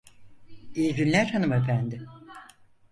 İyi günler hanımefendi.